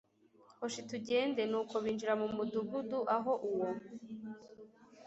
hoshi tugende nuko binjira mu mudugudu aho uwo